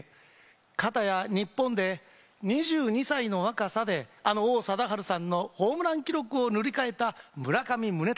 かたや日本で２２歳の若さであの王貞治さんのホームラン記録を塗り替えた村上宗隆。